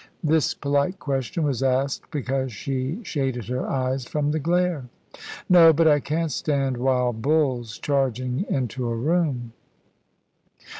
This polite question was asked because she shaded her eyes from the glare. "No; but I can't stand wild bulls charging into a room."